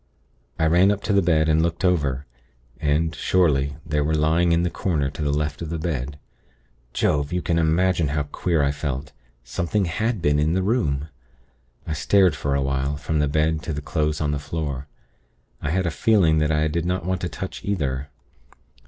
"I ran up to the bed, and looked over; and, surely, they were lying in the corner to the left of the bed. Jove! you can imagine how queer I felt. Something had been in the room. I stared for a while, from the bed, to the clothes on the floor. I had a feeling that I did not want to touch either.